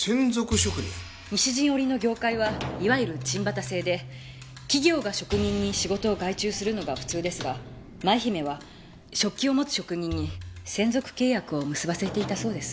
西陣織の業界はいわゆる賃機制で企業が職人に仕事を外注するのが普通ですがマイヒメは織機を持つ職人に専属契約を結ばせていたそうです。